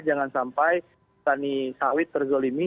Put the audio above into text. jangan sampai petani sawit terzolimi